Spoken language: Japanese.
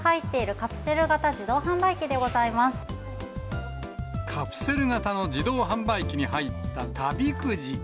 カプセル型の自動販売機に入った旅くじ。